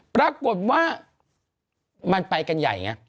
ปรากฏว่ามันไปกันใหญ่ไง